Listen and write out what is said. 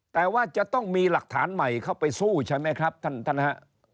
แต่ว่าจะต้องมีหลักฐานใหม่เข้าไปสู้ใช่ไหมครับท่านท่านฮะ